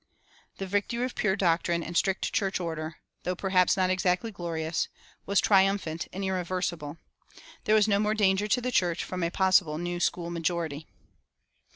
The victory of pure doctrine and strict church order, though perhaps not exactly glorious, was triumphant and irreversible. There was no more danger to the church from a possible New School majority.